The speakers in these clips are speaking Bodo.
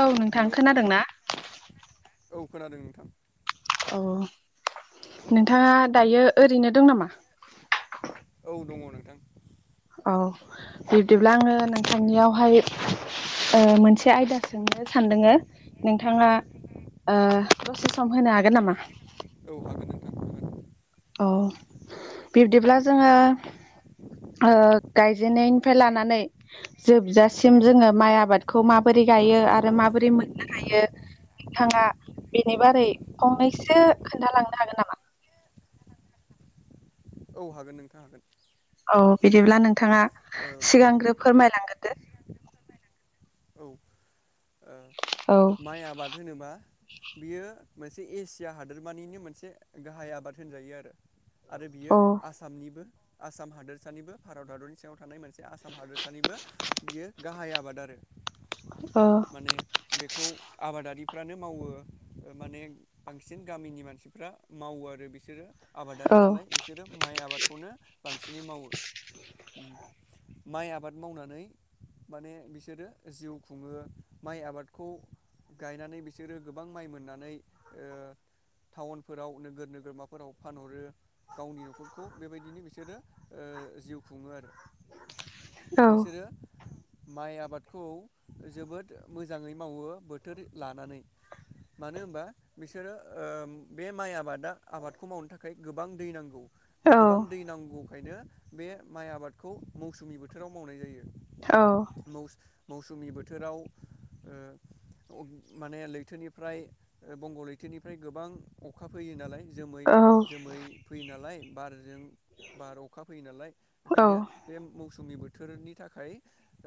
औ नोंथां हेलौ खोनादों ना औ खोनादों नोंथां अ नोंथाङा दायो ओरैनो दं नामा औ दङ नोंथां औ बिब्दिब्ला आङो नोंथांनियावहाय ओ मोनसे आयदा सों नो सानदोङो नोंथाङा ओ दसे सम होनो हागोन नामा औ हागोन नोंथां हागोन अ बिब्दिब्ला जोङो ओ गायजेननायनिफ्राय लानानै जोबजासिम जोङो माइ आबादखौ माबोरै गायो आरो माबोरै मोननो हायो नोथाङा बेनि बारै फंनैसो खोन्थालांनो हागोन नामा औ हागोन नोंथां हागोन औ बिदिब्ला नोंथाङा सिगांग्रो फोरमायलांगोरदो औ माइ आबाद होनोबा बियो मोनसे एसिया हादोरमानिनो मोनसे गाहाय आबाद होनजायो आरो आरो बियो औ आसामनिबो आसाम हादोरसानिबो भारत हादरनि सिङाव थानाय मोनसे आसाम हादोरसानिबो बियो गाहाय आबाद आरो औ माने बेखौ आबादारि फ्रानो मावो ओ माने बांसिन गामिनि मानसिफ्रा मावो आरो बिसोरो आबादारि औ नालाय बिसोरो माइ आबादखौनो बांसिनै मावो माइ आबाद मावनानै माने बिसोरो जिउ खुङो माइ आबादखौ गायनानै बिसोरो गोबां माइ मोननानै ओ टाउनफोराव नोगोर नोगोरमाफोराव फानहरो गावनि न'खरखौ बेबायदिनो बिसोरो ओ जिउ खुङो आरो औ बिसोरो माइ आबाद खौ जोबोद मोजाङै मावो बोथोर लानानै मानो होनबा बिसोरो ओ बे माइ आबादा आबादखौ मावनो थाखाय गोबां दै नांगौ गोबां दै नांगौखायनो बे माइ आबादखौ मौसुमि बोथोराव मावनाय जायो मौस मौसुमि बोथोराव ओ माने लैथोनिफ्राय बंग' लैथोनिफ्राय गोबां अखा फैयो नालाय जोमै जोमै फैयो नालाय बारजों बार अखा फैयो नालाय बेखायनो बे मौसुमि बो थोरनि थाखाय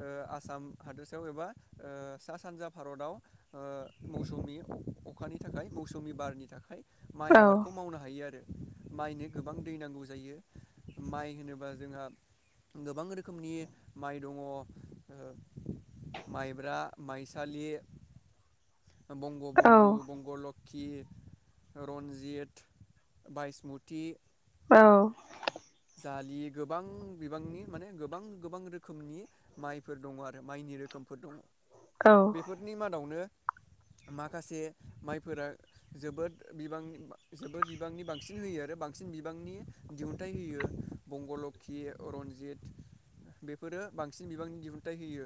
ओ आसाम हादोरसायाव एबा ओ सा सानजा भारताव ओ मौसुमि अखानि थाखाय मौसुमि बारनि थाखाय माइ आबादखौ मावनो हायो आरो माइनो गोबां दै नांगौ जायो माइ होनोबा जोंहा गोबां रोखोमनि माइ दङ ओ माइब्रा माइसालि बंग' बन्धु बंग' लक कि रन्जित बायसमति औ दालि गोबां बिबांनि माने गोबां गोबां रोखोमनि माइफोर दङ आरो माइनि रोखोम बेफोर दङ बेफोरनि मादावनो [inaudible] माखासे माइफोरा जोबोद बिबांनि जोबोद बिबांनि बांसिन होयो आरो बांस सिन बिबांनि दिहुनथाइ होयो बंग'लक्षि रनजित बेफोरो बांसिन बिबांनि दिहुनथाइ होयो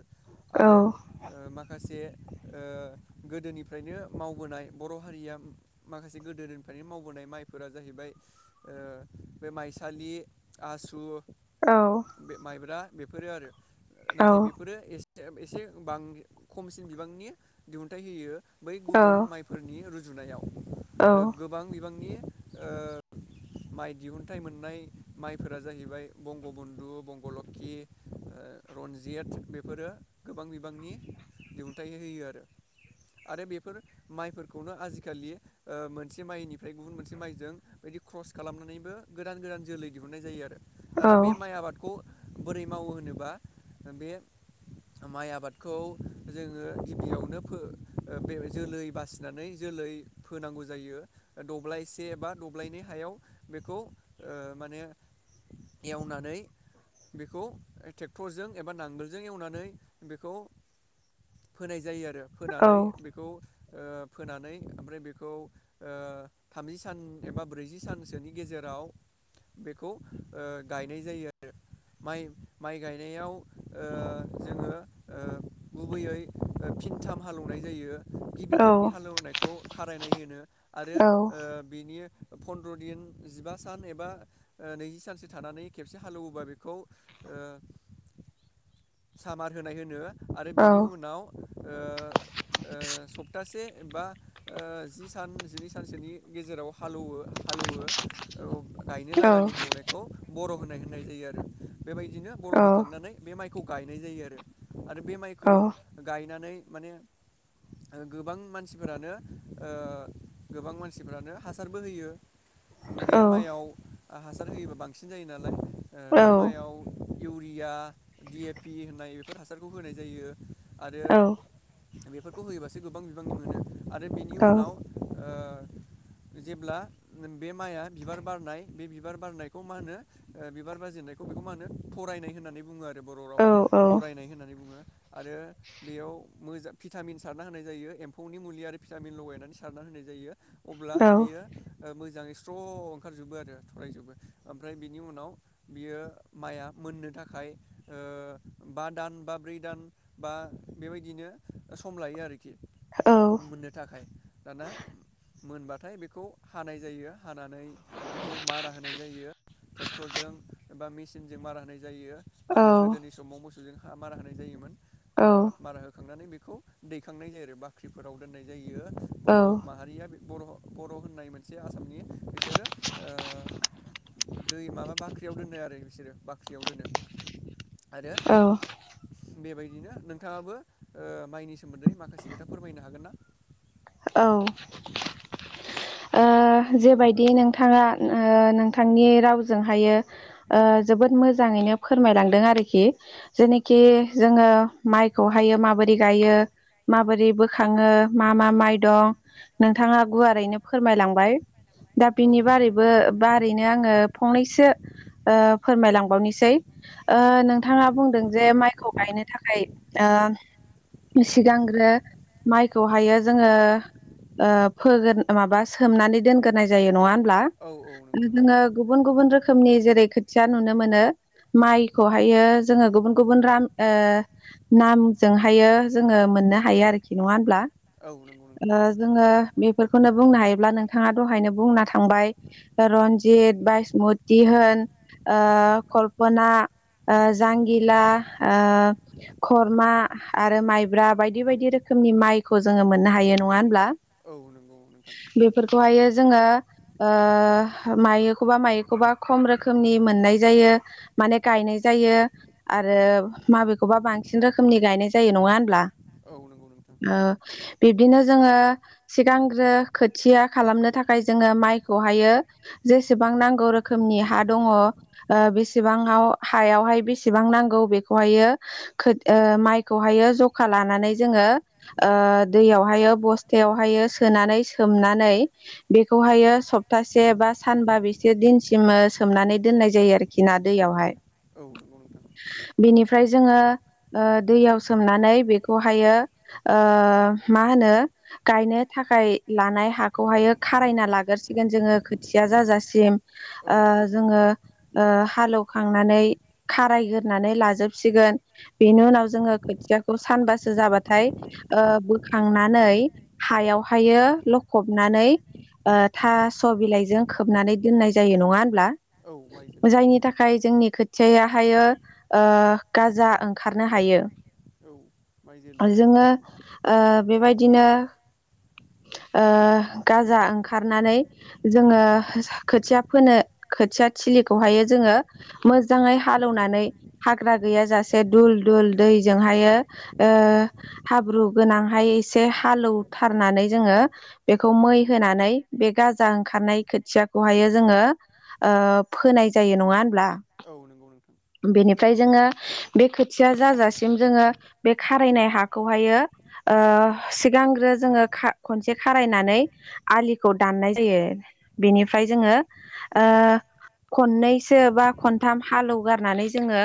आरो ओ माखासे गोदोनिफ्रायनो मावबोनाय बर' हारिया माखासे गोदोनिफ्रायनो मावबोनाय। माइफोरा जाहैबाय बे माइसालि। आसु माइब्रा बेफोरो आरो नाथाय बेफोरो एसे। एसे खमसिन बिबांनि दिहुनथाइ होयो बै गुबुन माइफोरनि रुजु जुनायाव गोबां बिबांनि। माइ दिहुनथाइ मोननाय। माइफोरा जाहैबाय बंगबन्धु बंगलोषि रनजित बेफोरो। गोबां बिबांनि दिहुनथायाइ होयो आरो। आरो बेफोर माइफोरखौनो आजिखालि मोनसे माइनिफ्राय गुबुन मोनसे माइजों। बिदि क्रस खालामनानैबो गोदान गोदान जोलै दिहुननाय जायो आरो दाना बे माइ आबादखौ। बोरै मावो होनोबा बे। माइ आबादखौ जोङो गिबियावनो जोलै बासिनानै जो जोलै फोनांगौ जायो दब्लायसे एबा दब्लायनै हायाव बेखौ माने। एवनानै। बेखौ ट्रेक्टरजों एबा नांगोलजों एवनानै बेखौ फोनाय जायो आरो फोनानै बेखौ। फोनानै ओमफ्राय बेखौ थामजि सान एबा ब्रैजि सानसोनि गेजेराव। बेखौ गायनाय जायो आरो। माइ माइ गायनायाव जोङो गुबैयै। फिनथाम हालेवनाय जायो। गिबि खेबनि हालेवनायखौ खारायनाय होनो आरो बिनि। फन्द्र' दिन जिबा सान एबा। नैजि सानसो थानानै खेबसे हालेवोबा बेखौ। सामार होनाय होनो आरो बेनि उनाव ओ ओ स सप्तासे बा जि सान जिनै सानसो गेजेराव हालौवो हालौवो। औ [inaudible] गायनो लागानि हाल एवनायखौ बर होनाय बुंनाय जायो बेबायदिनो' बर होखांनानै। खौ गायनाय जायो आरो आरो बे माइखौ गायनानै माने। आरो गोबां मानसिफोरानो गोबां मानसिफोरानो हासारबो होयो। बे माइयाव हासार होयोबा बांसिन जायो नालाय बे माइयाव। इउरिया डि एपि होननाय बेफोर हासारखौ होनाय जायो आरो। बेफोरखौ होयोबासो गोबां बिबां मोनो आरो बेनि उनाव। जेब्ला बे माइआ बिबार बारनाय। बे बिबार बारनायखौ मा होनो बिबार बाजेननायखौ बेखौ मा होनो थरायनाय होननानै बुङो आरो। बर' रावाव थरायनाय होननानै बुङो। आरो बेयाव मोजां भिटामिन सारना होनाय जायो एम्फौनि मुलि आरो भिटामिन लगायनानै सारना होनाय जायो। अब्ला बियो मोजाङै स्र ओंखारजोबो आरो। थरायजोबो ओमफ्राय बिनि उनाव बियो माइआ मोननो थाखाय। बा दान बा ब्रै दान बा बेबायदिनो सम लायो आरो। टिकिट मोननो थाखाय दाना। मोनबाथाय बेखौ हानाय जायो हानानै बे खौ मारा होनाय जायो ट्रेक्टरजों एबा मेसिनजों मारा होनाय जायो। जायो आरो गोदोनि समाव मोसौजों मारा होनाय जायोन मारा होखांनानै। खौ दैखांनाय जायो आरो बाख्रिफोराव दोननाय जायो बर' माहारिया। बर' बर' होननाय मोनसे आसामनि बिसोरो ओ। दै माबा बाख्रियाव दोनो आरो बिसोरो बाख्रियाव दोनो। आरो। बेबायदिनो नोंथाङाबो माइनि सोमोन्दै माखासे खोथा फोरमायनो हागोन ना। औ। जेबायदि नोंथाङा नोंथांनि रावजोंहायो जोबोद मोजां। मोजाङैनो फोरमायलांदों आरोखि जेनोखि जोङो माइखौहाय माबोरै गायो माबोरै बोखाङो मा मा माइ दं नोंथाङा गुवारैनो फोरमायलांबाय दा औ बिनि बारैबो नंगौ नोंथां। बारैनो आङो फंनैसो फोरमायलांबावनोसै नोंथाङा बुंदों जे माइखौ गायनो थाखाय सिगांग्रो माइखौहायो जोङो माबा सोमनानै दोनग्रोनाय जायो नङा होनबा औ नंगौ नोंथां जोङो गुबुन गुबुन रोखोमनि जेरै खोथिया नुनो मोनो माइखौहायो जोङो गुबुन गुबुन नामजोंहायो जोङो मोननो हायो आरोखि नङा होनब्ला औ नंगौ नोंथां जोङो बेफोर खौनो बुंनो हायोब्ला नोंथाङा दहायनो बुंना थांबाय रनजित बायसमुति होन ओ कल्पना जांगिला खरमा आरो माइब्रा बायदि बायदि रोखोम रोखोमनि माइखौ जोङो मोननो हायो नङा होनब्ला औ नंगौ नोंथां। बेखौहायो जोङो मायोखौबा मायोखौबा खम रोखोमनि मोननाय जायो। माने गायनाय जायो औ आरो माबेखौबा बांसिन रोखोमनि गायनाय जायो नङा होनब्ला औ नंगौ नोंथां। बिदिनो जोङो सिगांग्रो खोथिया खालामनो थाखाय जोङो माइखौहायो बेसेबां नांगौ रोखनि हा दङ बेसेबांआव हायवहाय बेसेबां नांगौ। मायखौ हायो जखा लानानै जोङो दैयावहायो बस्थायावहायो सोनानै सोमनानै बेखौहायो सप्तासे बा सानबा एसे दिनसिम सोमनानै दोननाय जायो आरोखि ना दैयावहाय औ नंगौ नोंथां ओमफ्राय जोङो दैयाव सोमनानै बेखौहायो। मा होनो गायनो थाखाय लानाय हाखौहाय खारायना लागोरसिगोन जोङो खोथिया जाजासिम जोङो हालेवखांनानै खारायग्रोनानै लाजोबसिगोन बेनि उनाव जोङो खोथिया सानबासो जाबाथाय बोखांनानै हायावहायो लखबनानै थास' बिलाइजों खोबनानै दोननाय जायो नङा होमब्ला औ नंगौ। औ माइ जोलैखौ औ जायनि थाखाय जोंनि खोथियाहायो गाजा ओंखारनो हायो औ माइ जोलैया जोङो बेबायदिनो गाजा ओंखारनानै जोङो खोथिया फोनो खोथिया थिलिखौहायो जोङो मोजाङै हालेवनानै हाग्रा गैया जासे दुल दुल दैजोंहायो हाब्रु गोनांहाय एसे हालेवथारनानै जोङो बेखौ मै होनानै बे गाजा ओं खारनाय खोथियाखौहायो जोङो फोनाय जायो नङा होनब्ला औ नंगौ नोंथां ओमफ्राय जोङो बे खोथिया जाजासिम जोङो बे खारायनाय हाखौहायो। सिगांग्रो जोङो खनसे खारायनानै आलिखौ दाननाय जायो बिनिफ्राय जोङो खननैसो बा खनथाम हालेवगारनानै जोङो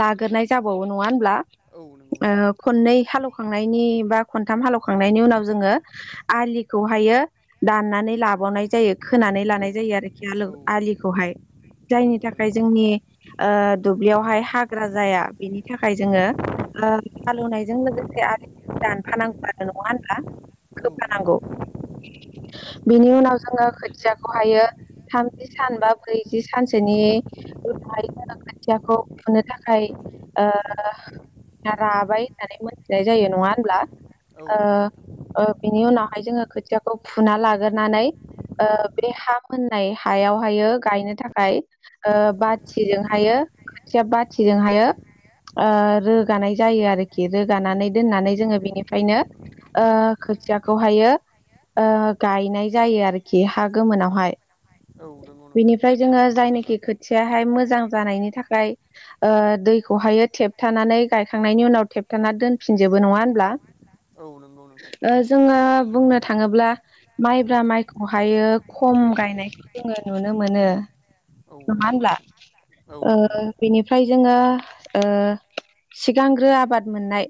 लाग्रोनाय जाबावो नङा होनब्ला औ नंगौ नोंथां खननै हालेव खांनायनि बां खन्थाम हालेल खांनायनि उनाव आलिखौ औ दाननानै लाबाव बावनाय जायो खोनानै लानाय जायो आरोखि आलिखौहाय जायनि थाखाय जोंनि ओ दुब्लियावहाय हाग्रा जाया बेनि थाखाय जोङो हालेवनायजों लोगो से आलिखौ दानफानांगौ आरो नङा होनब्ला खोफानांगौ बिनि उनाव जोङो खोथियाखौ हायो थामजि सान बा ब्रैजि सानसोनि खोथियाखौ फुनो थाखाय ओ राबाय होननानै मोनथिनाय जायो नङा होनब्ला औ नंगौ नोंथां बेनि उनावहाय जोङो खोथियाखौ फुना लागोरनानै ओ बे हा मोननाय हायावहायो गायनो थाखाय ओ बाथिजोंहायो खोथिया बाथिजों हायो रोगानाय जायो आरोखि रोगानानै दोननानै जोङो बेनिफ्रायनो ओ खोथियाखौ हायो ओ गायनाय जायो आरोखि हा गोमोनावहाय नोंथां बिनिफ्राय जोङो जायनोखि खोथियाहाय मोजां जानायनि थाखाय ओ दैखौहायो थेबथानानै गायखांनायनि उनाव थेब थाना दोनफिनजोबो नङा होनब्ला औ नंगौ नोंथां औ नंगौ नोंथां ओ जोङो बुंनो थाङोब्ला माइब्रा माइखौहायो खम गायनायखौ जोङो नुनो मोनो औ नंगौ नोंथां औ नङा नंगौ होनब्ला नोंथां औ नंगौ नोंथां औ ओ नंगौ नोंथां बेनिफ्राय जोङो ओ सिगांग्रो आबाद मोननाय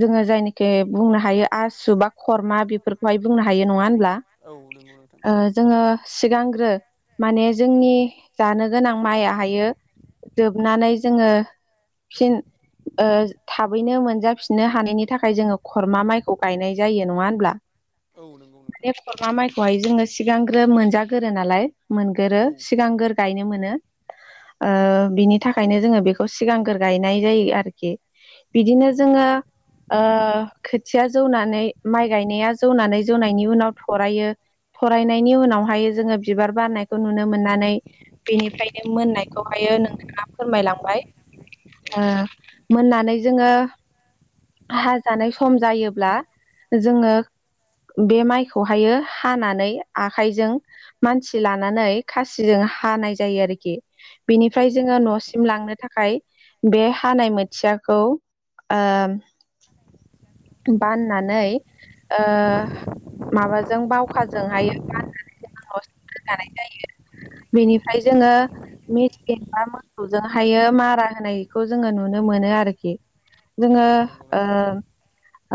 जोङो जायनिखि बुंनो हायो आसु बा खरमा बेफोरखौहाय बुंनो हायो नङा होनब्ला औ नंगौ नोंथां ओ जोङो सिगांग्रो माने जोंनि जानो गोनां माइयाहायो जोबनानै जोङो फिन ओ था थाबैनो मोनजाफिननो हानायनि थाखाय जोङो खरमा माइखौ गायनाय जायो नङा होनब्ला औ नंगौ नोंथां बे खरमा माइखौहाय जोङो सिगांग्रो मोनजागोरो नालाय मोनगोरो औ सिगांगोर गायनो मोनो ओ बिनि थाखायनो जोङो बेखौ सिगांगोर गायनाय जायो आरोखि बिदिनो जोङो ओ खोथिया जौनानै माइ गायनाया जौनानै जौनायनि उनाव थरायो फरायनायनि उनावहाय जोङो बिबार बारनायखौ नुनो मोननानै बेनिफ्रायनो मोननायखौहाय नोंथाङा फोरमायलांबाय मोननानै जोङो हाजानाय सम जायोब्ला जोङो बे माइखौहायो हानानै आखाइजों मानसि लानानै खासिजों हानाय जायो आरोखि औ बिनिफ्राय जोङो नंगौ नोंथां न'सिम लांनो थाखाय बे हानाय मोथियाखौ ओ बाननानै ओ माबाजों बावखाजोंहायो बाननानै जोङो नसिम रोगानाय जायो बेनिफ्राय औ जोङो मेसिन बा मोसौजोंहायो मारा होनायखौ जोङो नुनो मोनो आरोखि जोङो औ नंगौ नोंथां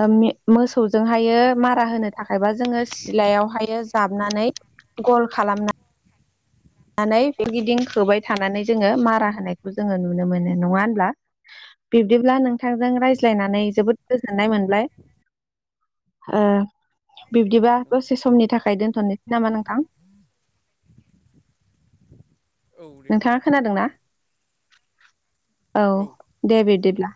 ओ मोसौजोंहायो मारा होनो थाखायबा जोङो सिलायावहाय जाबनानै गल खालामना नै सोरगिदिं होबाय थानानै जोङो मारा होनायखौ जोङो नुनो मोनो नङा होनब्ला बिब्दिब्ला नोंथांजों रायज्लायनानै जोबोद गोजोननाय मोनबाय ओ बिब्दिबा नंगौ दसे नोंथां समनि थाखाय दोनथ'नोसै नामा नोंथां औ दे नोंथाङा नोंथां खोनादों ना औ दे बिदिब्ला